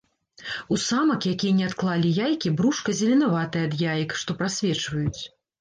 У самак, якія не адклалі яйкі, брушка зеленаватае ад яек, што прасвечваюць.